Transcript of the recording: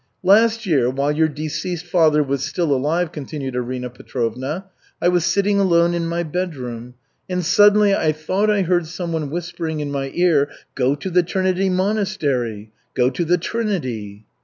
"Last year, while your deceased father was still alive," continued Arina Petrovna, "I was sitting alone in my bedroom and suddenly I thought I heard someone whispering in my ear: 'Go to the Trinity Monastery. Go to the Trinity.'